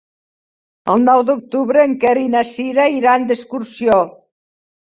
El nou d'octubre en Quer i na Cira iran d'excursió.